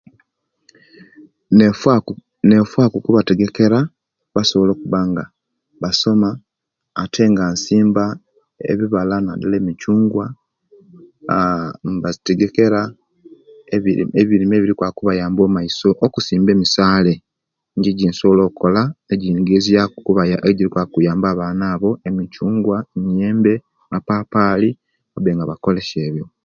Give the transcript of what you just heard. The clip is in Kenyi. Nefaku nefaku kubategekera basobole okuba nga basoma ate nga nsimba ebibala nga emicungwa aaa nbategekera ebirime ebri kwakubayamba omaiso nga emisale nijo ejensobola okola ejikwakuyamba abaana abo emicungwa, emiyembe , mapapali babe nga bakolesya ebyo